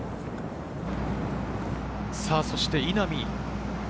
そして稲見。